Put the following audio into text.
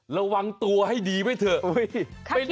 ระวังตัวให้ดีไว้เถอะ